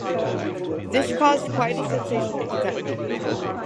This caused quite a sensation at the time.